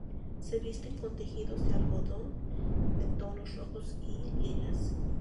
Se visten con tejidos de algodón de tonos rojos y lilas.